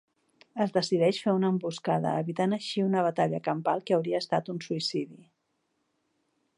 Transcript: Es decideix fer una emboscada, evitant així una batalla campal que hauria estat un suïcidi.